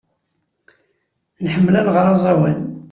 Nḥemmel ad nɣer aẓawan.